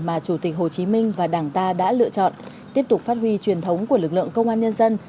mà chủ tịch hồ chí minh và đảng ta đã lựa chọn tiếp tục phát huy truyền thống của lực lượng công an nhân dân